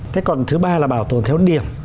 thế còn thứ ba là bảo tồn theo điểm